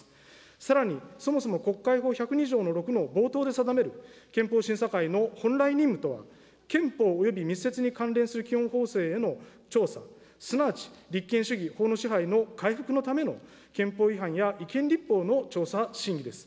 さらに、そもそも国会法１２０条の６の冒頭で定める、憲法審査会の本来任務とは、憲法及び密接に関連する基本法制への調査、すなわち立憲主義、法の支配の回復のための憲法違反や、違憲立法の調査審議です。